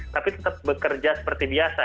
tapi tetap bekerja seperti biasa